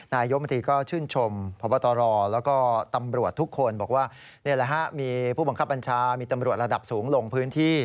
นี่แหละมีผู้บังคับอัญชามีตำรวจระดับสูงลงพื้นที่